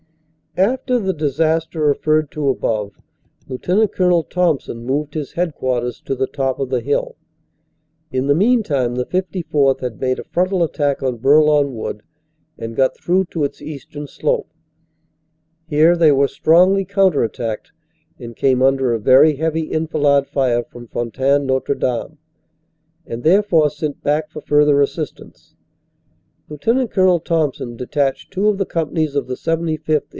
After the disaster referred to above, Lt. Col. Thompson 224 CANADA S HUNDRED DAYS moved his headquarters to the top of the hill. In the meantime the 54th. had made a frontal attack on Bourlon Wood and got through to its eastern slope. Here they were strongly counter attacked, and came under a very heavy enfilade fire from Fon taine Notre Dame, and therefore sent back for further assist ance. Lt. Col. Thompson detached two of the companies of the 75th.